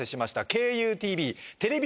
ＫＵＴＶテレビ